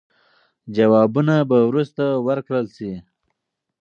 ځوابونه به وروسته ورکړل سي.